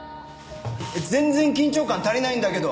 全然緊張感足りないんだけど。